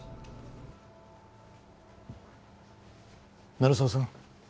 鳴沢さん